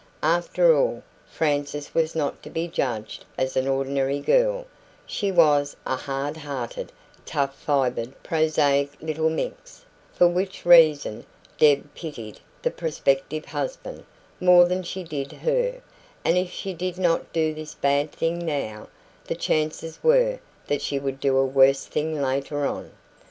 After all, Frances was not to be judged as an ordinary girl she was a hard hearted, tough fibred, prosaic little minx, for which reason Deb pitied the prospective husband more than she did her; and if she did not do this bad thing now, the chances were that she would do a worse thing later on.